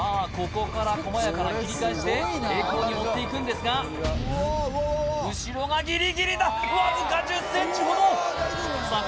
ここから細やかな切り返しで平行に持っていくんですが後ろがギリギリだわずか１０ｃｍほどさあ